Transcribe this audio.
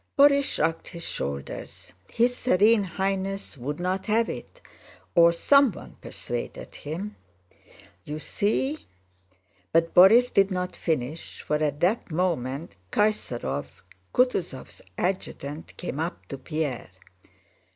Borís shrugged his shoulders, "his Serene Highness would not have it, or someone persuaded him. You see..." but Borís did not finish, for at that moment Kaysárov, Kutúzov's adjutant, came up to Pierre.